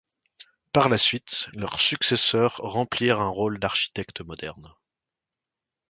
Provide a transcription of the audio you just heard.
Par la suite, leurs successeurs remplirent un rôle d’architecte moderne.